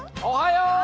おはよう！